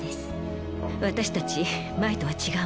私たち前とは違うの。